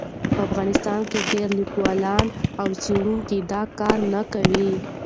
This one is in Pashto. په افغانستان کې ډېر لیکوالان او څېړونکي دا کار نه کوي.